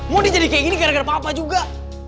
mundi jadi kayak gini gara gara papa juga